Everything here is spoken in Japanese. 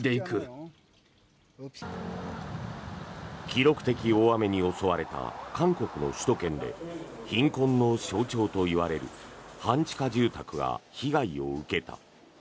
記録的大雨に襲われた韓国の首都圏で貧困の象徴といわれる半地下住宅が被害を受けた。